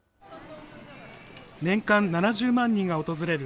年間７０万人が訪れる